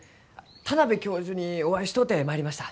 田邊教授にお会いしとうて参りました。